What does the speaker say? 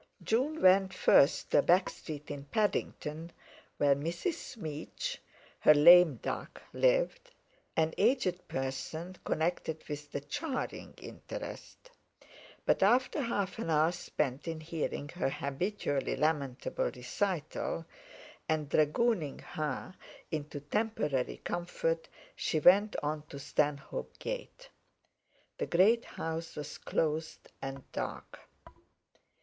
June went first to a back street in Paddington, where Mrs. Smeech, her "lame duck," lived—an aged person, connected with the charring interest; but after half an hour spent in hearing her habitually lamentable recital, and dragooning her into temporary comfort, she went on to Stanhope Gate. The great house was closed and dark.